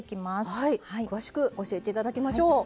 はい詳しく教えて頂きましょう。